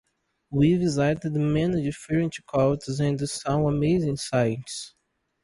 We visited many different countries and saw amazing sights.